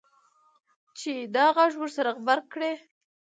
چې دا غږ ورسره غبرګ کړي.